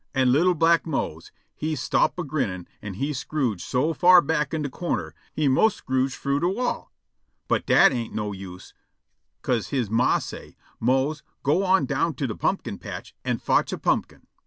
An' li'l' black Mose he stop' a grinnin', an' he scrooge' so far back in de corner he 'mos' scrooge frough de wall. But dat ain't no use, 'ca'se he ma say', "Mose, go on down to de pumpkin patch an' fotch a pumpkin."